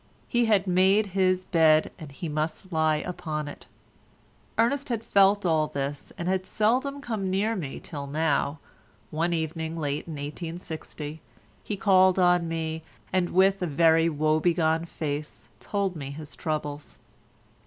He had made his bed and he must lie upon it. Ernest had felt all this and had seldom come near me till now, one evening late in 1860, he called on me, and with a very woebegone face told me his troubles.